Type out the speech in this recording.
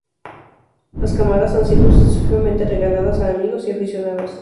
Las camadas han sido sucesivamente regaladas a amigos y aficionados.